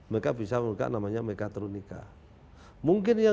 maka bisa menunggu mekatronika